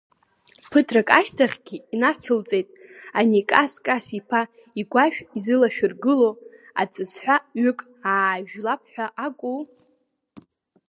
Ԥыҭрак ашьҭахьгьы инацылҵеит, ани Кас Кас-иԥа ишәгәашә изылашәыргыло аҵәызҳәа ҩык аажәлап ҳәа акәу?